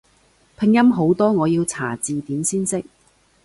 拼音好多我要查字典先識